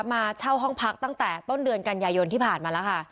มาเช่าห้องพักตั้งแต่ต้นเดือนกันยายนที่ผ่านมาแล้วค่ะ